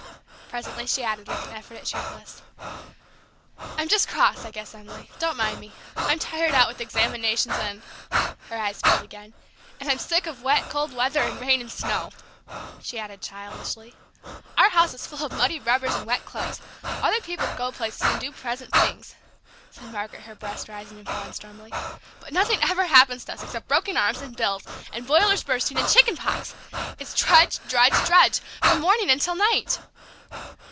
Presently she added, with an effort at cheerfulness, "I'm just cross, I guess, Emily; don't mind me! I'm tired out with examinations and " her eyes filled again "and I'm sick of wet cold weather and rain and snow," she added childishly. "Our house is full of muddy rubbers and wet clothes! Other people go places and do pleasant things," said Margaret, her breast rising and falling stormily; "but nothing ever happens to us except broken arms, and bills, and boilers bursting, and chicken pox! It's drudge, drudge, drudge, from morning until night!"